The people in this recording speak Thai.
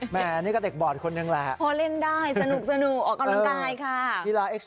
แม่นี่ก็เด็กบอดคนหนึ่งแหละพอเล่นได้สนุกออกกำลังกายค่ะ